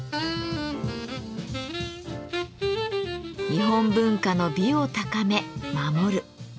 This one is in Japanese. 日本文化の美を高め守る。